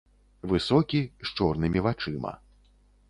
Высокі, з чорнымі вачыма.